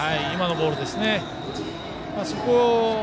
今のボールですね。